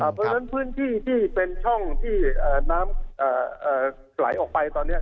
เพราะฉะนั้นพื้นที่ที่เป็นช่องที่น้ำไหลออกไปตอนนี้